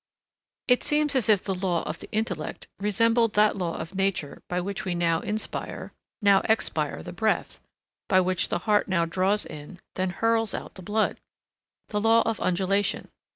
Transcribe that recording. It seems as if the law of the intellect resembled that law of nature by which we now inspire, now expire the breath; by which the heart now draws in, then hurls out the blood,—the law of undulation.